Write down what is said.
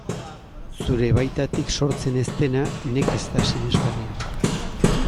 Zure baitatik sortzen ez dena nekez da sinesgarria.